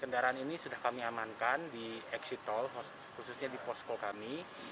kendaraan ini sudah kami amankan di exit tol khususnya di posko kami